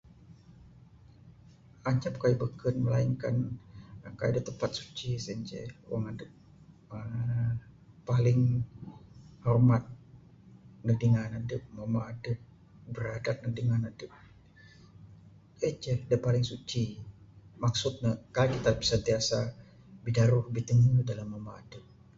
Anyap kayuh bekun melainkan kayuh da tempat suci sien ce. Wang adup uhh paling hormat ndug dingan adup, adup biradat ndug dingan adup. En ceh da paling suci. Maksud ne kai kita sentiasa bidaruh bitengu dalam mamba adup.